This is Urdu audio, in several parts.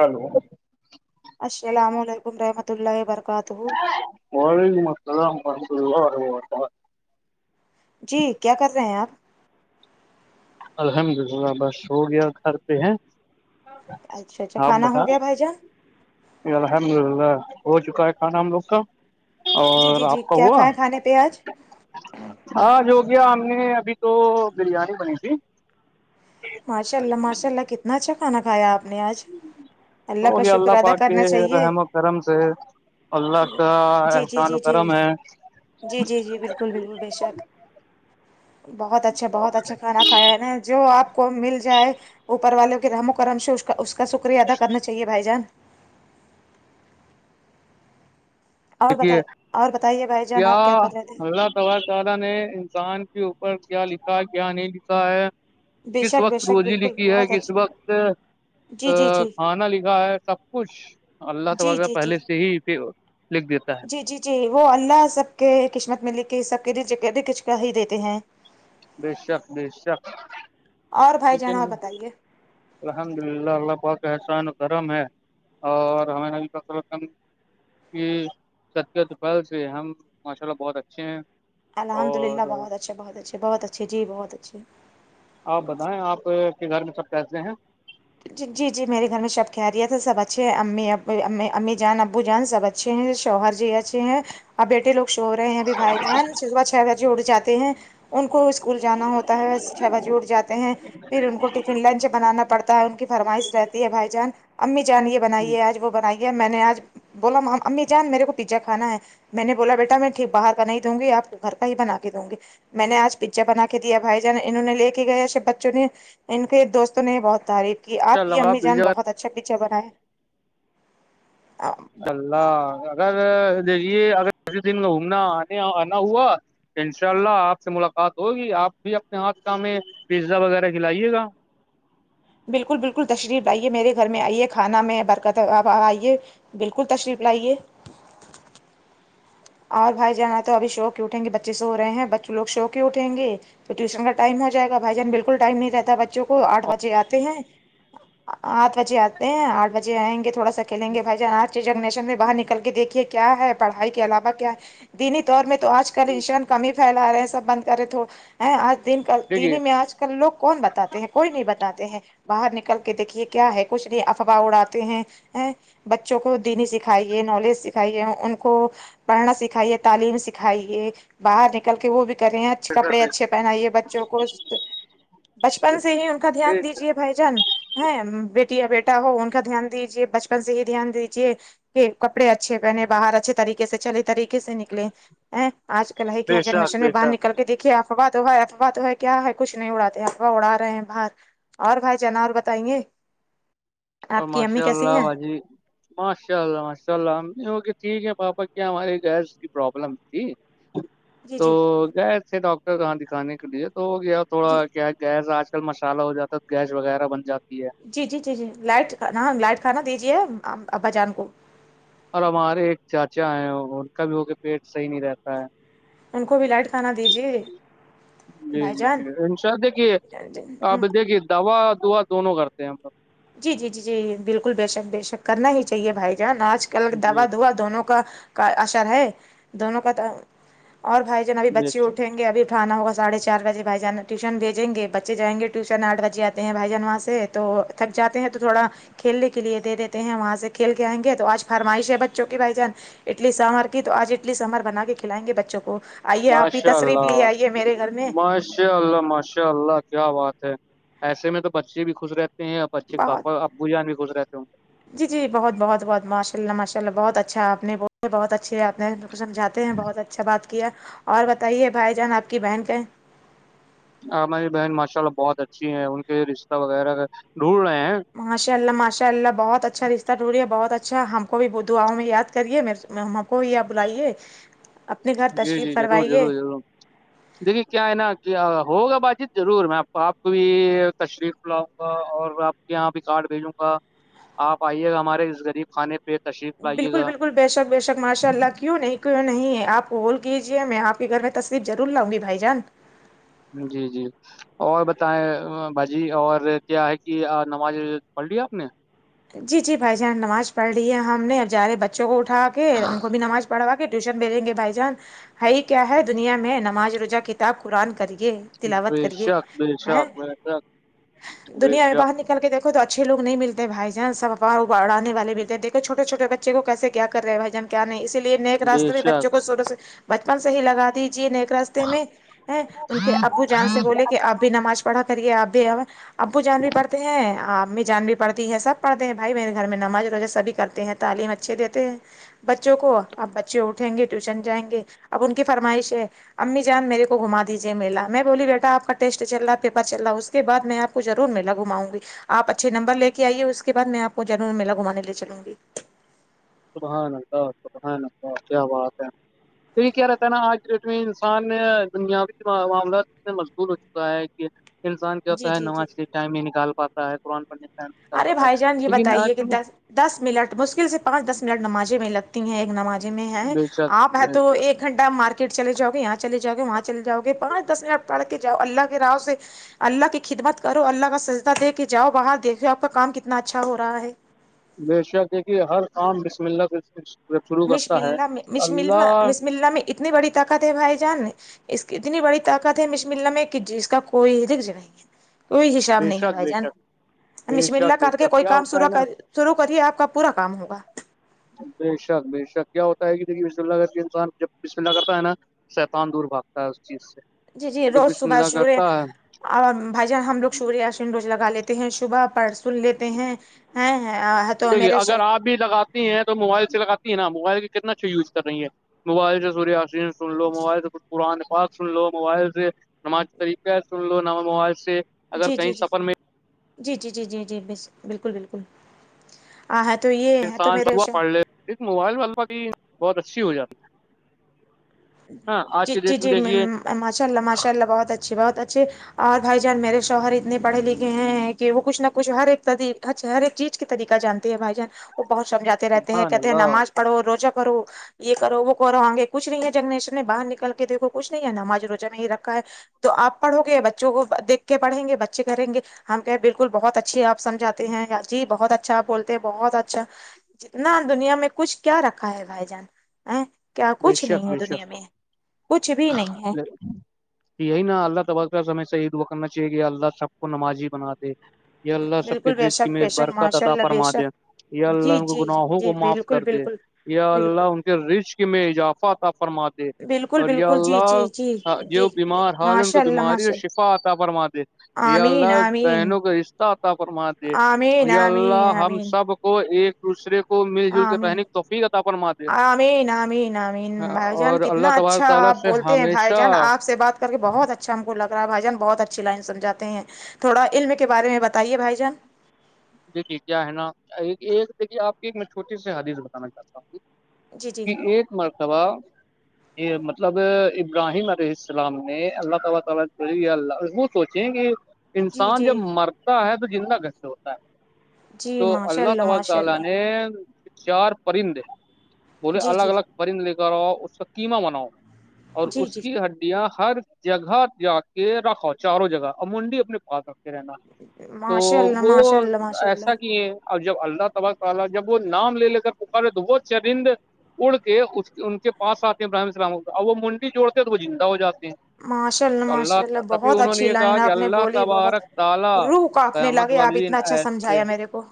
ہلو السلام علیکم و رحمۃ اللہ و برکاتہ ولیکم السلام پند را و و جی کیا کر رہے ہیں آپ الحمد للہ بس ہو گیا گھر پہ ہیں اچھا اچھا کھان ہو گیا بھائی جان الحمد للہ ہو چکا ہے کھانا ہم لوگ کا جی اور جی آپ جی کا کیا ہوا کھائیں کھانے پہ آج ہاں جو کیایا ہم نے ابھی تو بریانی بنی تھی ماشاء اللہ ماشاء اللہ کتنا اچھا کھانا کھایا آپ نے آج کا ہوگیا شکر اللہ ادا پاک کے کرنا چاہیے رحم و کرم سے اللہ کا جی جی احسان و جی جی کرم ہے جی جی جی بالکل بالکل بالکل بے شک بہت اچھا بہت اچھا کھانا کھایا ہے ن جو آپ کو مل جائے اوپر والوں کے رم و کرم سے اس کا اس کا شکریہ ادا کرنا چاہیے بھائی جان اور دیکھیے بتائی اور بتائیے بھائی جان آپ کیا کر رہے تھ ہیں سار شادا نے انسان کے اوپر کیا لکھا ہے کیا نہیں لکھا ہے بے کس شک بے وقت شک روزی بالکل لکھی ہے بہت کس اچھا وقت ا جی جی جی کھانا لکھا ہے سب کچھ اللہ تو جی ویرہ جی جی پہلے سے ہی پھر جی جی جی وہ اللہ سب کے قسمت میں لے کے سب کے کچک ہی دیتے ہیں بے شک بے شک اور بھائی جان لیکن آپ بتائیے الحمد للہ اللہ بہت احسان گرم ہے اور ہم بر کہ ستت پھل سے ہم ماشاء اللہ بہت اچھے ہیں الحمد اور للہہت اھا بہت اچھ بہت اچھے جی بہت اچھے آپ بتائیں آپ کے گھر میں سب پیسے ہیں جی جی جی میرے گھر میں سب خیریت ہے سب اچھے ہیں امی ابو ا امی جان ابو جان سب اچھے اچھے ہیں شوہر جی اچے ہیں اب بیٹے لوگ سو رہے ہیں ابھی بھائی جہان صبح چھ بجے اٹ جاتے ہیں ان کو اسکول جانا ہوتا ہے ب چھ بجے اٹھ جاتے ہیں پھر ان کو ٹفن لنچ بنانا پڑتا ان کی فرمائش رہتی ہے ب جان امی جان یہ بنائیے انشاء آج وہ بنائیے میں نے آج بولا امی جان میرے کو پیزا کھانا ہے میں نے بولا بیٹا میں ٹھیک باہر کا نہیں دوں گی آپ گھر کا ہی بنا کے دوں گی میں نے آج پکچر بنا کے دیا بھائی جان انہوں نے لے کے گئے سب بچوں نے ان کے دوستوں نے بہت تعریف کی آپ کی اللہ امی جان دیجیے گا بہت اچھا پکچر بنائے چلہ اگر دیکھیے اگر ک دن میں گھومنا آنے آنا ہوا انشاء اللہ آپ سے ملاقات ہوگی آپ بھی اپنے ہاتھ کا ہم میں پیزا وغیرہ کھلائیے گا بالکل بالکل تشریف آئیے میرے گھر میں آئیے کھانا میں برکت آئیے بالکل تشریف لائیے اور بھائی جانا تو اب شوق اٹیں گے بچے سے ہو رہے ہیں بچوگ شوق ہی اٹھیں گے تو ٹیوشن کا ٹائم ہو جائے گا بھائی جان بالکل ٹائم نہیں رہتا بچوں کو آھ بجے آتے ہیں آ بجے آتے ہیں آھ بجے آئیں گے تھوا سا کھیل گے بھائی جان آج جنگ نشن میں بر نکل کے دیکھیے کہ کیا ہے پڑھائی کے علاوہ کیا ہے دینی دور میں تو آج کل انسان کمی پھیلا رہے ہیں سب بند کرے تھ آج د دین دیکھیے ہی میں آج ک لوگ کون بتاتے ہیں کوئی نہیں بتاتے ہیں باہر نکل کے دیکھیے کیا ہے کچھ نہیں افواہ اڑاتے ہیں بچوں کو دینی سکھائیے نالج سکھائیے ان کو پڑھنا سکھائیے تعلیم سکھائیے باہر نکل کے وہ بھی کرے ہیں بے کپڑے اچھے پہنے بچوں کو بچپن سے ہی ان کا دھیان دیجیے بھائی جان ہے بیٹی یا بیٹا ہو ان کا دھیان دیجے بچپن سے ہی دھیان دیجے کہ کپڑے اچھے پہنے باہر اچھے طریقے سے چلے طریقے سے نکلے ہیں آج کل ہی کیا شک جنگریشن میں بے باہر شک نکل کے دیکھیے آپ افوا تو افا تو ہے کیا ہے کچھ نہیں اڑاتے افوا اڑا رہے ہیں باہر اور کھائی جانا اور بتائیں گے اور ماشاء اللہ باجی ماشاء اللہ ماشاء اللہ اوکے ٹھیک ہے پاپا کیا ہماری گیس کی پرابلم تھی جی تو جی گیا اسے ڈاکٹر وہاں دکھانے کے لیے تو وہ گیا تھوڑا جی کیا گیس آج کل مسالہ ہو جاتا ہے تو گیس وغیرہ بن جاتی ہے جی جی جی جی لائٹ کھانا ہاں لائٹ کھانا دیجیے آپ ابا جان کو اور ہمارے ایک چاچا ہیں ان کا بھی ہو کے پیٹ صحیح نہیں رہتا ہے ان کو بھی لائٹ کھانا دیجیے جی بھائی جی جان جی انشاء دیکھیے آپ دیکھیے دوا دعا دونوں کرتے ہیں ہم لوگ جی جی جی جی بالکل بے شک بے شک کرنا ہی چاہے بھائی جان آج کل دوا جی دعا دونوں کا کا اثر ہے دونوں کا اور بھائی ابھی بے بچے شک اٹھیں گے ابھی اٹھانا ہوگا ساڑھے چار بجے بھائی جان ٹیوشن بھیجیں گے بچے جائیں گے ٹیوشن آٹ بجےتے ہے بھائی جان وہاں سے تو تھک جاتے ہیں تو تھوڑا کھیلنے کے لیے دیتے ہیں وہاں سے کھیل کے آئیں گے تو آج فرمائش ہے بچوں کے بھائی جان اڈلی سوار کی تو آج اڈلی سامار بنا کے کھلائیں گے بچوں کو آئیے آپ بی ماشاء تصریف لیے آئیے میرے گھر میں مشاء اللہ ماشاء اللہ کیا بات ہے ایسے میں تو بچے بھی خوش رہتے ہیں بچے کے بہت پاپا بجان بھی گزرے جی جی بہت بہت بہت ماشاء اللہ ماشاء اللہ بہت اچھا آپ نے بہت اچھے آپ نے سمجھاتے ہیں بہت اچھا بات کیا اور بتائیے بھائی جان آپ کی بہن کا ہماری بہن ماشاء اللہ بہت اچھی ہے ان کے رشتہ وغیرہ ڈھونڈ رہے ہیں ماشاء اللہ ماشاء اللہ بہت اچھا رشہ ڈھونڈیے بہت اچھا ہم کو بھی داؤں میں یاد کریے کوئی آپ بلاائیے جی جی ضرور ضرور ضرور دیکھیے کیا ہے نا ہوگا بات چیت ضرور میں آپ کو بھی تشریف لاؤں گا اور آپ یہاں بھی کارڈ بھیجوں گا آپ آئیے گا ہمارے اس غریب کھانے پہ تشریف لائیے بالکل گا بالکل بے شک بے شک ماشاء اللہ کیوں نہیں کیوں نہیں ہے آپ کو ہول کیجیے میں آپ کے گھر میں تصیف ضرور لاؤ گی بھائی جان جی جی اور بتائیں باجی اور کیا ہے کہ نماز پڑھ لی آپ نے جی جی بھائی جان نماز پڑھ رہی ہے ہم نے سارے بچوں کو اٹھا کے ان کو بھی نماز پڑھوا ٹیوشن بھیجیں گے بھائی جان ہائی کیا ہے دنیا میں نماز روزہ کے آپ قرآن کریے تلاوت بے کریے شک بے شک بے شک بے دنیا میں شک باہر نکل کے یکھو تو اچھے لوگ نہیں ملتے بھائی سبارڑانے بھیتے والے چھٹے چھٹے بچے کو کیسے کیا کرے ہو ادھر کیا نہیں اسی لیے نیک بے راستتے میں بچوں شک کو سووروں سے بچپن سے ہی لا دیجیے نیک راستتے ان کے ابو جان سے بولے کہ آپ بھی نماز پڑھا کریے آپ بھی ابو جان بھی پڑتے ہیں امی جان بھی پڑتی ہے سب پڑھتے ہیں بھائی میرے گھر میں نماز سبھی کرتے ہیں تعلیم اچھے دیتے ہیں بچوں کو اب بچے اٹھیں گے ٹیوشن جائیں گے اب ان کی فرمائش ہے امی جان میرے کو گھما دیجیے میلا میں بولی بیٹا آپ کا ٹیسٹ چل رہا پیپر چل رہا ہے اس کے کے بعد میں آپ کو ضرور میلا گھماؤ گی آپ اچھے نمبر لے کے آئیے اس کے اس کے بعد میں آپ کو میلا گھمانے لے چلوں گی صبحان اللہ صبحان اللہ کیا بات ہے تو یہ کیا رہتا ہے نا آج کے ڈیٹ میں انسان دنیاوی معاملات میں مشغول ہو چکا ہے کہ انسان کیا جی ہوتا ہے جی جی نماز کے ٹائم ہی نکال پاتا ہے قرآن پڑھ [inaudible] ارے پتا ہے بھائی جان یہ لیکن آج بتائیے کہ کل دس دس منٹ مشکل سے پانچ دس منٹ نمازے میں لگتی ہیں ایک نمازے میں ہیں بے آپ شک ہیں بے تو شک ایک گھنٹہ مارکیٹ چلے جؤے یہاں چلے جؤے وہاں چلے جؤے پانچ دس منٹ پڑھ کے جاؤ اللہ کے راؤ سے اللہ کی خدمت کرو اللہ کا سجدہ دے کے جاؤ باہر دیکھو آپ کا کام کتنا اچھا ہو رہا ہے بے شک یہ کہ ہر عام بسم اللہ جب شروع بسم کرتا ہے اللہ میں تو اللہ بسم اللہ میں اتنی بڑی طاقت ہے بھائی جان اس کی اتنی بڑی طاقت ہے مشم اللہ میں کہ اس کا کوئی رگج نہیں ہے کوئی حشاب بے نہیں ہے شک بھائی بے جان شک بے مشملا شک بے کر کے شک کوئی کیا کام ہوتا شورا ہے نا کر شروع کریے آپ کا پورا کام ہوگا بے شک بے شک کیا ہوتا ہے کہ دیکے بسم اللہ کر کے انسان جب بسم اللہ کرتا ہے نا شیتان دور بھاگتا ہے اس چیز سے جی جی کہ روز بسم اللہ سبشوے کرتا ہے اور بھائی جان ہم لوگ سوریہ آشن روز لگا لیتے ہیں صبح پر سن لیتے ہیں ہیں تو دیکھیے میرے اگر آپ لگاتی ہیں تو موبائل سے لگاتی ہے نا موبائل کی کتنا اچھے یوز کر رہی ہیں موبائل سورین سن لو موبائل سے کچھ پرآن بات سن لو موبائل سے نماز طریقہ ہے سن لو ن موبائل سے اگر جی کہیں جی جی سفر میں جی جی جی جی جی بس بالکل بالکل آ ہے تو یہ ہے تو میرے اس موبائل وال پا بھی بہت اچھی ہو جاتی ہے ہاں آج جی سے دٹ جی میں جی دیکھیے ماشاء اللہ ماشاء اللہہت اچھے بہت اچھے اور بھائی جان میرے شوہر اتنے پڑھے لکھے ہیں کہ وہ کچھ نہ کچھ ہر ایک ت اچھا ہر چیز کے طریقہ جانتے ہیں بھائی جان وہ بہت سمجھاتے رہتے ہیں سبحان کہتے ہیں اللہ نماز پڑھو روزہ کرو یہ کرو وہ کرو آ گے کچھ نہیں ہے جنریشن نے باہر نکل کے دیکھو کچھ نہیں ہے نماز روچہ میں ہی رکھا ہے تو آپ پڑھو گے بچوں کو دیکھ کے پڑھیں گے بچے کریں گے ہم کہ بالکل بہت اچھی آپ سجھاتے ہیں جی بہت اچھا آپ بولتے ہیں بہت اچھا جنا دنیا میں کچھ کیا رکھا ہے بھائی جان ا کیا بے کچھ نہیں شک ہے بے دنیا شک میں کچھ بھی نہیں ہے یہی نا اللہ تب سمے سے عید وک کرنا چاہیے کہ اللہ سب کو نمازی بنا دے یہ اللہ سب کے بالکل بے دشک شک میں بے شک برکت ماشاء ادا اللہ بے فرما دے شک جی اللہ کے جی گناہوں کو جی معاف بالکل کر دے بالکل اللہ ان بالکل کے رچ کے میں اضافہ تھا فرما بالکل اور بالکل جی اللہ جی جی جی جو بیمار حال ہے ان کو ماشاء اللہ بیماری اور ماشاء اللہ شفا عطا فرمات دی تھ یہ آمین اللہ آمین بہنوں کا حشہ تھا فمان د آمین آمین اللہ ہم آمین سب کو ایک دوسرے کو مل جل کے رہنے کی توفیقتا پرن مات د میں نام نام بھائی جان اللہ کتنا اچھا تبارک آ تعالی سے بولتے ہیں بھائی ہمیشہ جان آپ سے بات کر کے بہت اچھا اچھا ہم کو لگ رہا بھائی جان بہت اچھی لائنمجھات ہیں تھوڑا علم کے بارے میں بتائیے بھائی جان جی جی کیا ہے نا ایک ایک دیکھیے آپ کی ایک میں چھوٹی سی حادیث بتانا چاہتا ہوںی جی جی کہ ایک مرتبہ یہ مطلب ابراہیم علیہ السلام نے اللہ تعالی تعالی اللہ وہ سوچیں کہ جی انسان جی جب مرتا ہے تو زندہ گس سے ہوتا ہے جی تو ماشاء اللہ تب ماشاء تعالی نے اللہ چار پرندے بولے جی جی الگ الگ پرند لے کر آؤ اس کا قما بناؤ اور جی اس جی کی ہڈیاں ہر جگہ جا کے رکھو چاروں جگہ امنڈی اپنے پاس رکھ رہنا تو ماشاء اللہ وہ ماشاء اللہ ماشاء اللہ ایسا اور جب اللہ تباہا جب وہ نام لے لے کر پکار ہے تو وہت چرند اڑ کے اس ان کے پاس آتے ہیں ابراہم اسلام اور وہ منڈی جوڑتے ہیں تو وہ زندہ ہو جاتے ہیں ماشاء اللہ تو ماشاء اللہ تبھی بہت انہوں نے اچھی یہ کہا لائن کہ آپ نے اللہ بولی بہت تبارک تعالیٰ روح آپ نے لگے آپ اتنا اچھا سمھایا میرے کو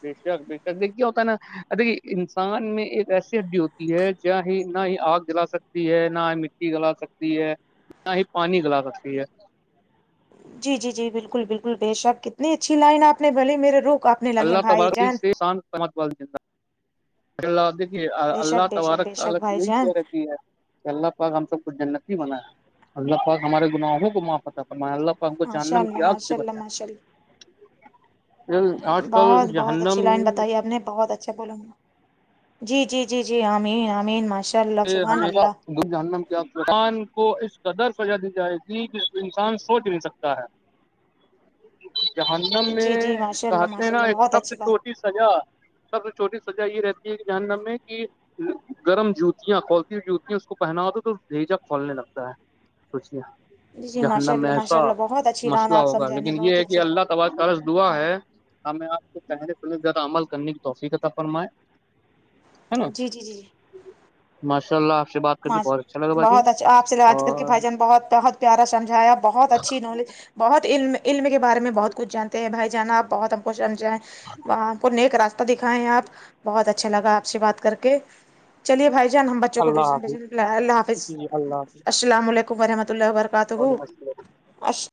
ب شک بےشک دیک کیا ہوتا ہے نا دیکھیے انسان میں ایک ایثت بھی ہوتی ہے ج ہی نہ ہی آگ جلا سکتی ہے نہ ہی مٹی جلا سکتی ہے نہ ہی پانی گلا سکتی ہے جی جی جی بالکل بالکل بےش ش آپ کتنی اچھی لائن آ نے بھ میرے روک آ اللہ تبار د سے شان سمت وال [unintelligible] اللہ دیک بے اللہ شک بے شک تبارک بے شک تالت بھائی یہی جان ہو رہتی ہے کہ اللہ پاک ہم سب کچ جنتتی بنا ہے اللہ پاک ہمارے گناہوں کو معافت تھا اللہ ہم کو ماشاء جاننا اللہ کیا آگ سے ماشاء اللہ ماشاء اللہ بتایا بہت بہت اچھی جہنم لائنتائی آپ نے بہت اچھا بوللاوں گا جی جی جی جی این این ماشر یہ ہمیشہ گ جان کیا انسان کو اس قدر سجا دی جائے گی کہ انسان سوچ نہیں سکتا ہے جہنم جی میں جی ماشاء اللہ کہتے ہیں ماشاء نا اللہ ایک بہت سب سے اچھی بات چھوٹی س سزا سب سے چھوٹی سزا یہ رہتی ہے کہ جاننے میں کہ گرم جوتا ج کھولتی ہوتی ہیں اس کو پہنا ہوتا ہے تو ڈجاپ کھولنے لگتا ہے سوچے جی جی جہنا ماشاء میں اللہ ایسا ماشاء اللہ بہت اچھی لائن مسئلہ آپ ہوگا سمجھانے لیکن یہ بہت ہے اچھے کہ اللہ ب قغض دعا ہے ہمیں آپ کو پہلے سے زیادہ عمل کرنے کی توفیقت فرمائے [inaudible] جی جی جی مسء اللہ سے بات کر کے بہت اچھا لگا باجی بہت اچھا آپ سے آج کل کی اور بھائی جان بہت بہت پیارا سمجھایا بہت اچھی نالج بہت علم علم کے بارے میں بہت کچھ جانتے ہیں بھائی جانا آپ بہت ہم کو سمجائائے ہم کو نیک راس دکھائے آپ بہت اچھا لگا آپ سے بات کر کے چلیے بھائی جان ہم بچوں کو اللہ حافظ حافظ جی جی اللہ حافظ ا م لیکم وورحمۃ اللہ وعلیکم السلام وبرکاتہ